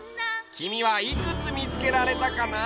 きみはいくつみつけられたかな？